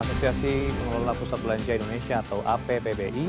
asosiasi pengelola pusat belanja indonesia atau appbi